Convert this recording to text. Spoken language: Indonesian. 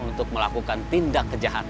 untuk melakukan tindak kejahatan